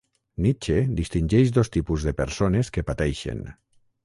Nietzsche distingeix dos tipus de persones que pateixen.